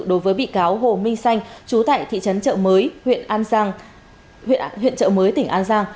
đối với bị cáo hồ minh xanh chú tại thị trấn chợ mới huyện chợ mới tỉnh an giang